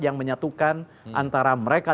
yang menyatukan antara mereka